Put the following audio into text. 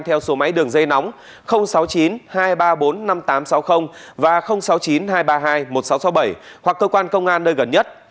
theo số máy đường dây nóng sáu mươi chín hai trăm ba mươi bốn năm nghìn tám trăm sáu mươi và sáu mươi chín hai trăm ba mươi hai một nghìn sáu trăm sáu mươi bảy hoặc cơ quan công an nơi gần nhất